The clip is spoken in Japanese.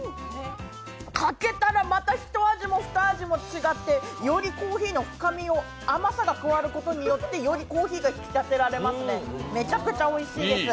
かけたらまた一味も二味も違ってコーヒーの深みを甘さが加わることによってよりコーヒーが引き立てられますね、めちゃくちゃおいしいです。